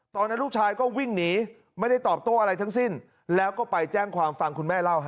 ตอนนั้นลูกชายก็วิ่งหนีไม่ได้ตอบโต้อะไรทั้งสิ้นแล้วก็ไปแจ้งความฟังคุณแม่เล่าฮ